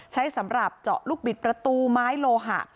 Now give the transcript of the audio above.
ใช้สำหรับเจาะลูกบิดประตูไม้โลหะ